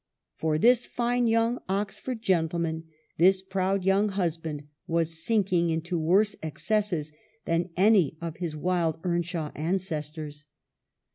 For this fine young Oxford gentleman, this proud young husband, was sinking into worse excesses than any of his wild Earnshaw ances tors.